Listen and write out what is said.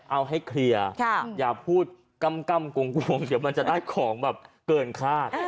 เอาให้เคลียร์อย่าพูดกำกวงเดี๋ยวมันจะได้ของแบบเกินคาด